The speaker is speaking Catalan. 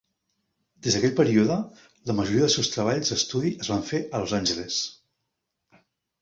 Des d'aquell període, la majoria dels seus treballs d'estudi es van fer a Los Angeles.